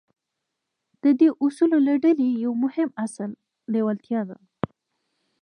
د دې اصولو له ډلې يو مهم اصل لېوالتیا ده.